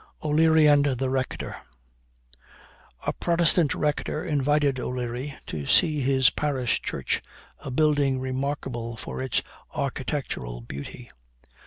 O'LEARY AND THE RECTOR. A Protestant rector invited O'Leary to see his parish church, a building remarkable for its architectural beauty.